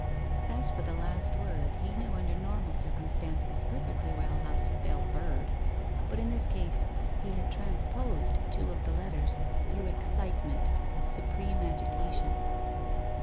As for the last word, he knew under normal circumstances perfectly well how to spell "bird," but in this case he had transposed two of the letters through excitement, supreme agitation.